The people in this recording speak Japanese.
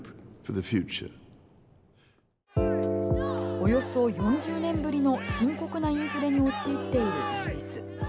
およそ４０年ぶりの深刻なインフレに陥っているイギリス。